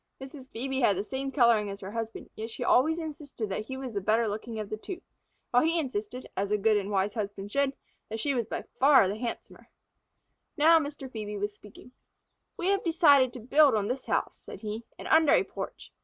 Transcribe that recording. Mrs. Phœbe had the same coloring as her husband, yet she always insisted that he was the better looking of the two, while he insisted, as a good and wise husband should, that she was by far the handsomer. Now Mr. Phœbe was speaking. "We have decided to build on this house," said he, "and under a porch.